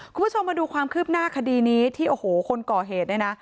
คุณผู้ชมมาดูความคืบหน้าคดีนี้ที่โอ้โหคนก่อเหตุเนี่ยนะ